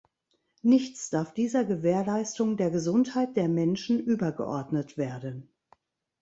Nichts darf dieser Gewährleistung der Gesundheit der Menschen übergeordnet werden.